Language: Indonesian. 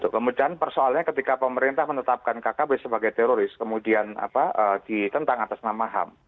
kemudian persoalnya ketika pemerintah menetapkan kkb sebagai teroris kemudian ditentang atas nama ham